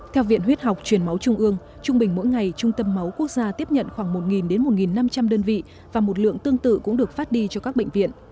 theo viện huyết học truyền máu trung ương trung bình mỗi ngày trung tâm máu quốc gia tiếp nhận khoảng một đến một năm trăm linh đơn vị và một lượng tương tự cũng được phát đi cho các bệnh viện